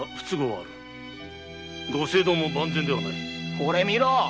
ほれ見ろ。